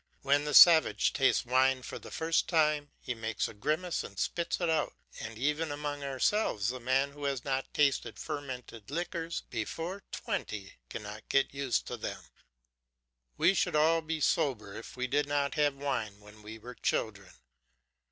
When the savage tastes wine for the first time, he makes a grimace and spits it out; and even among ourselves a man who has not tasted fermented liquors before twenty cannot get used to them; we should all be sober if we did not have wine when we were children.